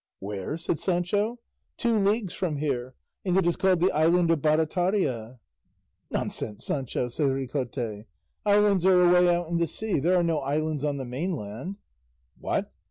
"Where?" said Sancho; "two leagues from here, and it is called the island of Barataria." "Nonsense! Sancho," said Ricote; "islands are away out in the sea; there are no islands on the mainland." "What?